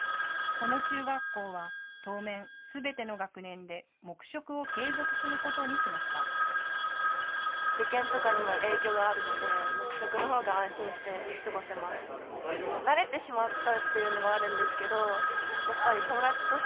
この中学校は当面、すべての学年で黙食を継続することにしました。